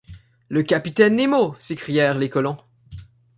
Le capitaine Nemo ! s’écrièrent les colons